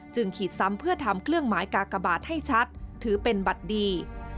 ขีดซ้ำเพื่อทำเครื่องหมายกากบาทให้ชัดถือเป็นบัตรดี